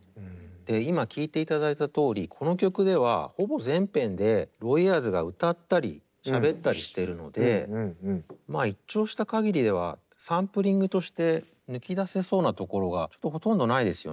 で今聴いていただいたとおりこの曲ではほぼ全編でロイ・エアーズが歌ったりしゃべったりしているので一聴した限りではサンプリングとして抜き出せそうなところがほとんどないですよね。